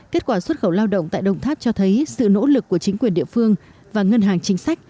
kết quả xuất khẩu lao động tại đồng tháp cho thấy sự nỗ lực của chính quyền địa phương và ngân hàng chính sách